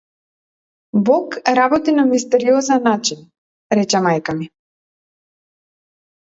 Бог работи на мистериозен начин, рече мајка ми.